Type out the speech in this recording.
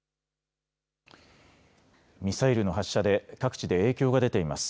ミサイルの発射で各地で影響が出ています。